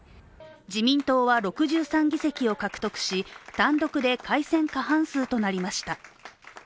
自民党は６３議席を獲得し単独で改選過半数となりました。